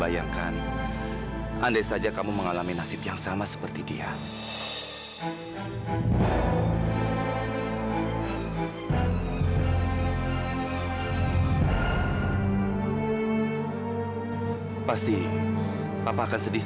yaudahlah lebih baik aku pergi dari sini